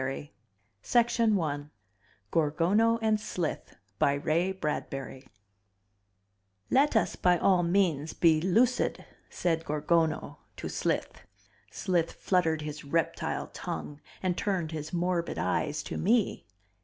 gorgono and slith "Let us, by all means, be lucid," said Gorgono to Slith. Slith fluttered his reptile tongue and turned his morbid eyes to me.